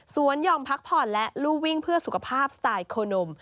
ยอมพักผ่อนและลู่วิ่งเพื่อสุขภาพสไตล์โคนม